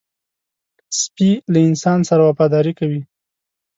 سپي له انسان سره وفاداري کوي.